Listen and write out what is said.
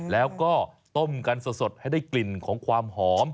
แล้วก็ต้มกันสดให้ได้กลิ่นของความหอม